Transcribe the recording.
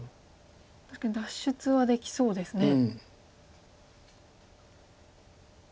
確かに脱出はできそうですね。